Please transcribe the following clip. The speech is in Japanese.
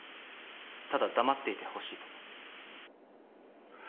ただ黙っていてほしいと。